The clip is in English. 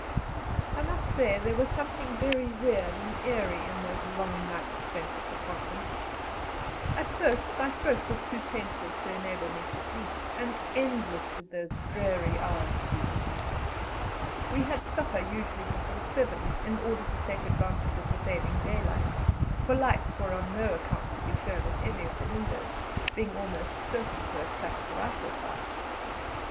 I must say there was something very weird and eerie in those long nights spent at the convent. At first my throat was too painful to enable me to sleep, and endless did those dreary hours seem. We had supper usually before seven, in order to take advantage of the fading daylight, for lights were on no account to be shown at any of the windows, being almost certain to attract rifle fire.